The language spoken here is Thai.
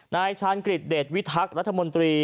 นายชานกริดเดชวิทักรรัฐมนตรี